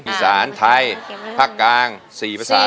อีสานไทยภาคกลาง๔ภาษา